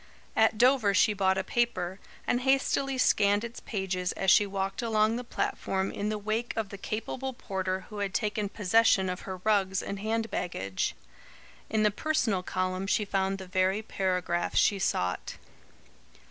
At Dover she bought a paper, and hastily scanned its pages as she walked along the platform in the wake of the capable porter who had taken possession of her rugs and hand baggage. In the personal column she found the very paragraph she sought.